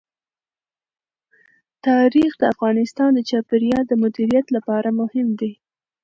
تاریخ د افغانستان د چاپیریال د مدیریت لپاره مهم دي.